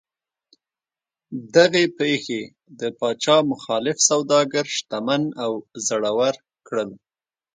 دغې پېښې د پاچا مخالف سوداګر شتمن او زړور کړل.